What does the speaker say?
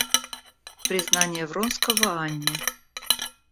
Признание Вронского Анне.